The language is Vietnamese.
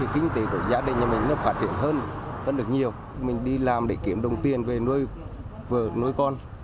kinh tế của gia đình của mình nó phát triển hơn vẫn được nhiều mình đi làm để kiếm đồng tiền về nuôi con